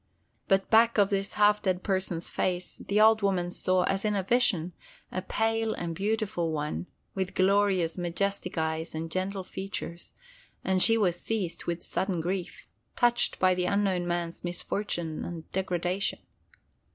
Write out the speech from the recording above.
But back of this half dead person's face, the old woman saw—as in a vision—a pale and beautiful One with glorious, majestic eyes and gentle features, and she was seized with sudden grief—touched by the unknown man's misfortune and degradation.